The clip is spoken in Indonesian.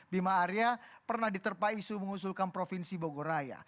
bima arya pernah diterpa isu mengusulkan provinsi bogoraya